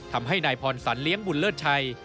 ทำให้นายพรสันเลี้ยงบุญเลิศชัย